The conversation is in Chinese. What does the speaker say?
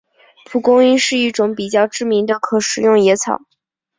蒲公英是一种比较知名的可食用野草。